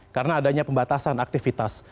karena adanya pembatasan aktivitas